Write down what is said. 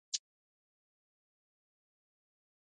قطبي هیږه ولې نه یخیږي؟